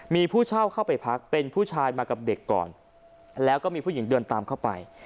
มีผู้เช่าเข้าไปพักเป็นผู้ชายมากับเด็กก่อนแล้วก็มีผู้หญิงเดินตามเข้าไป